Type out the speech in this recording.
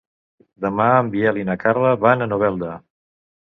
Demà en Biel i na Carla van a Novelda.